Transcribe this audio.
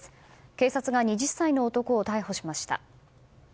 警察が２０歳の男を逮捕しました。